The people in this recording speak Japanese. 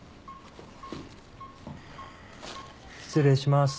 失礼します。